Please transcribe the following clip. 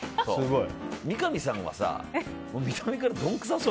三上さんは見た目からどんくさそう。